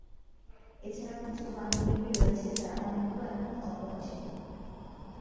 এছাড়াও কিছু পান্ডুলিপি রয়েছে, যার অনেক গুলো এখনও অপ্রকাশিত।